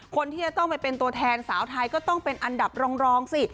คนที่จะต้องไปเป็นตัวแทนสาวไทยก็ต้องเป็นอันดับรองสิ